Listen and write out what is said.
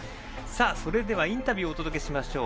それではインタビューをお届けしましょう。